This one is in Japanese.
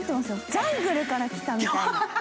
ジャグルから来たみたい。